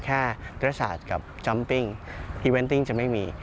แค่ศาสตร์กับจอมปิ้งพรีเวนติ้งจะไม่มี